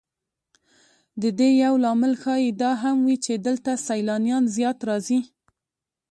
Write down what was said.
د دې یو لامل ښایي دا هم وي چې دلته سیلانیان زیات راځي.